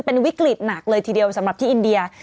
เป็นวิกฤตหนักเลยทีเดียวสำหรับที่อินเดีย